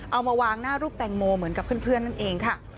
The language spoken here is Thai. เอามาวางหน้ารูปแตงโมเหมือนกับเพื่อนนั่นเองค่ะ